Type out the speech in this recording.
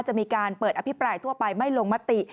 จะมีการเปิดอภิปรายทั่วไปไม่ลงมติ